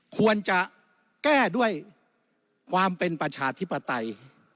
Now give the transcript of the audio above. ควรจะแก้ด้วยความเป็นประชาธิปไตย